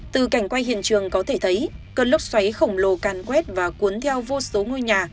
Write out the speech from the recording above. từ cảnh quay hiện trường có thể thấy cơn lốc xoáy khổng lồ càn quét và cuốn theo vô số ngôi nhà